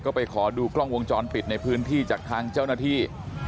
ก็ไปขอดูกล้องวงจรปิดในพื้นที่จากทางเจ้าหน้าที่